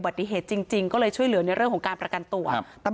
พระเจ้าที่อยู่ในเมืองของพระเจ้า